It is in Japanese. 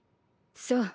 そう。